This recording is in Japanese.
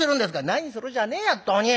「何するじゃねえや本当に！